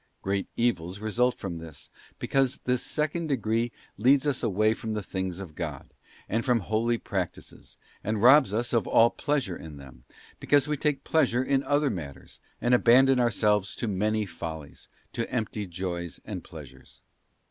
Great evils result from this, because this second degree leads us away from the things of God, and from holy practices, and robs us of all pleasure in them, because we take pleasure in other matters, and abandon ourselves to many follies, to empty joys and pleasures.